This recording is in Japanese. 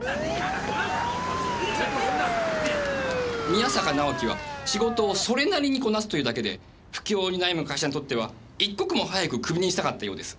宮坂直樹は仕事をそれなりにこなすというだけで不況に悩む会社にとっては一刻も早くクビにしたかったようです。